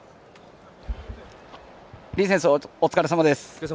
お疲れさまです。